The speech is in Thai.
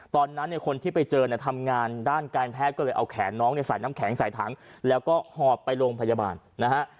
ตอนนั้นเนี่ยคนที่ไปเจอเนี่ยทำงานด้านการแพทย์ก็เลยเอาแขนน้องเนี่ยใส่น้ำแข็งใส่ถังแล้วก็หอบไปโรงพยาบาลนะฮะ